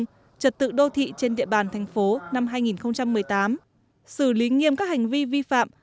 tình hình trật tự đô thị trên địa bàn thành phố năm hai nghìn một mươi tám xử lý nghiêm các hành vi vi phạm